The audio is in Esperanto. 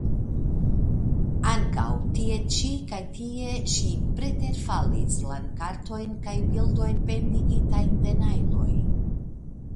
Ankaŭ, tie ĉi kaj tie, ŝi preterfalis landkartojn kaj bildojn pendigitajn de najloj.